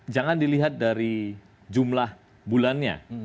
jangan dilihat dari jumlah bulannya